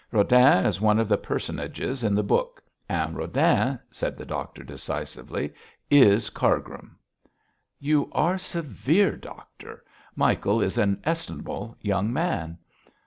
Rodin is one of the personages in the book, and Rodin,' said the doctor decisively, 'is Cargrim!' 'You are severe, doctor. Michael is an estimable young man.'